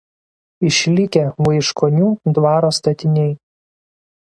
Išlikę Vaiškonių dvaro statiniai.